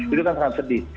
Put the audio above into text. itu kan sangat sedih